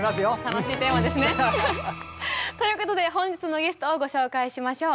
楽しいテーマですね。ということで本日のゲストをご紹介しましょう。